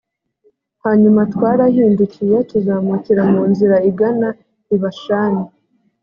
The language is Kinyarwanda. hanyuma twarahindukiye, tuzamukira mu nzira igana i bashani